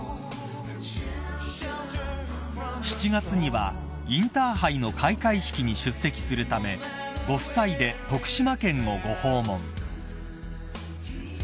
［７月にはインターハイの開会式に出席するためご夫妻で徳島県をご訪問］